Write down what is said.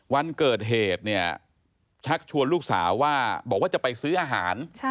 วันเกิดเหตุเนี่ยชักชวนลูกสาวว่าบอกว่าจะไปซื้ออาหาร